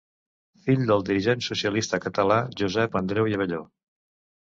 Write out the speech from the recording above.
Fill del dirigent socialista català Josep Andreu i Abelló.